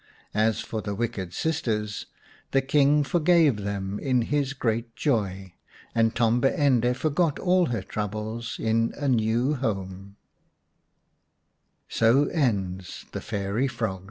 As for the wicked sisters, the King forgave them in his great joy, and Tombi ende forgot all her troubles in a new hom